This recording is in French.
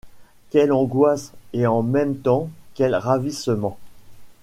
Quelle angoisse, et en même temps quel ravissement!